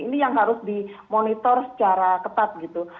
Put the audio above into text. ini yang harus dimonitor secara ketat gitu